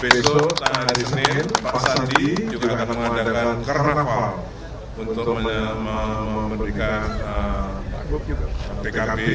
besok hari senin pak sandi juga akan mengadakan awal untuk memberikan pkb